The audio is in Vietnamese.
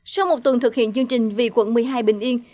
sau một tuần thực hiện chương trình vì quận một mươi hai bình yên